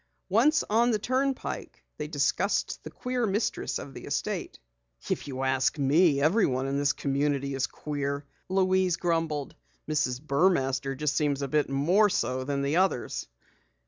Once on the turnpike, they discussed the queer mistress of the estate. "If you ask me, everyone in this community is queer," Louise grumbled. "Mrs. Burmaster just seems a bit more so than the others."